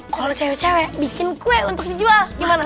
kalau cewek cewek bikin kue untuk dijual gimana